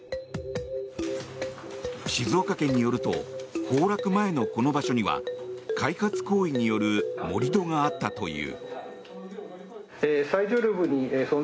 静岡県によると崩落前のこの場所には開発行為による盛り土があったという。